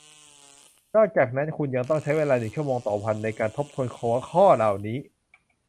นอกจากนั้นคุณยังต้องใช้เวลาหนึ่งชั่วโมงต่อวันในการทบทวนหัวข้อเหล่านี้